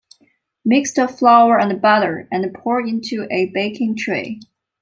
Mix the flour and butter and pour into a baking tray.